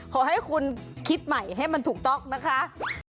ขอให้คุณคิดใหม่ให้มันถูกต้องนะคะ